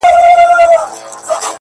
چي په دنيا کي محبت غواړمه ـ